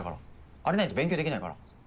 あれないと勉強できないから。